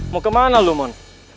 mau kemana lu mon